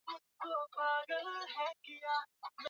baharini ni suluhisho la chumvi na virutubisho vingine